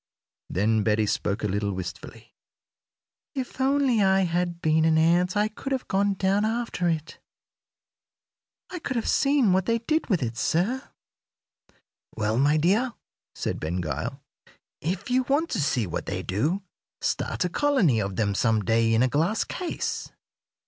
Then Betty spoke a little wistfully: "If only I had been an ant I could have gone down after it. I could have seen what they did with it, sir." "Well, my dear," said Ben Gile, "if you want to see what they do, start a colony of them some day in a glass case.